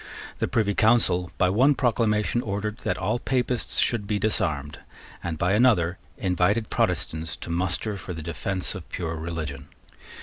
The Privy Council by one proclamation ordered that all Papists should be disarmed, and by another invited Protestants to muster for the defence of pure religion.